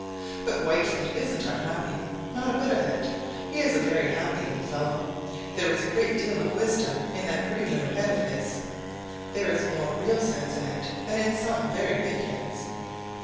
But Whitefoot isn't unhappy. Not a bit of it. He is a very happy little fellow. There is a great deal of wisdom in that pretty little head of his. There is more real sense in it than in some very big heads.